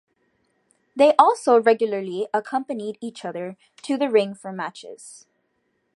They also regularly accompanied each other to the ring for matches.